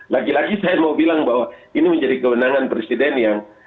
lagi lagi saya mau bilang bahwa ini menjadi kewenangan presiden yang